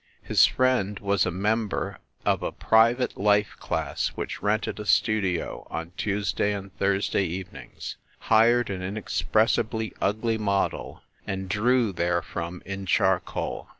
His friend was a member of a private life class which rented a studio on Tuesday and Thursday evenings, hired an inexpressibly ugly model and drew therefrom in charcoal.